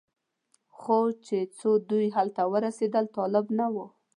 خو چې څو دوی هلته ور ورسېدل طالب نه و.